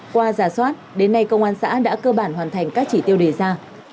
qua giả soát đến nay công an xã đã cơ bản hoàn thành các chỉ tiêu đề ra